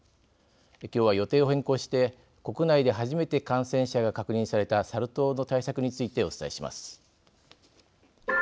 きょうは予定を変更して国内で初めて感染者が確認されたサル痘の対策についてお伝えします。